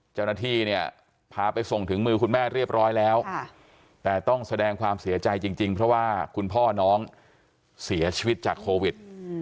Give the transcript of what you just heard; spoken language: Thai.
เจ้าหน้าที่เนี่ยพาไปส่งถึงมือคุณแม่เรียบร้อยแล้วแต่ต้องแสดงความเสียใจจริงเพราะว่าคุณพ่อน้องเสียชีวิตจากโควิด